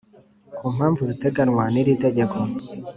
ku mpamvu ziteganwa nir’itegeko